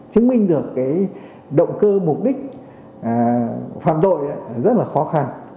chứng minh được cái động cơ mục đích phản đội rất là khó khăn